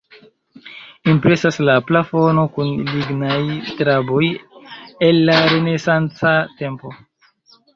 Impresas la plafono kun lignaj traboj el la renesanca tempo.